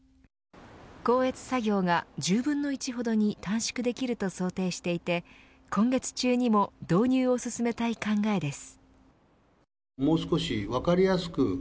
校閲作業が１０分の１ほどに短縮できると想定していて今月中にも導入を進めたい考えです。